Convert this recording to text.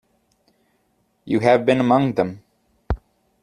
You have been among them.